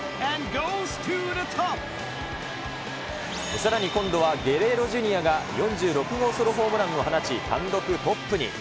さらに今度はゲレーロＪｒ．が４６号ソロホームランを放ち、単独トップに。